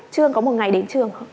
chưa có một ngày đến trường